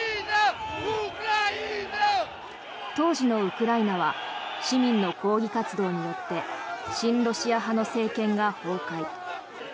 当時のウクライナは市民の抗議活動によって親ロシア派の政権が崩壊。